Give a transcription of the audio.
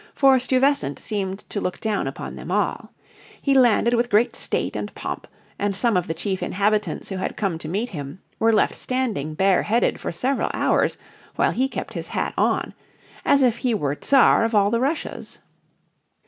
For Stuyvesant seemed to look down upon them all. He landed with great state and pomp, and some of the chief inhabitants who had come to meet him were left standing bareheaded for several hours while he kept his hat on, as if he were Tsar of all the Russias.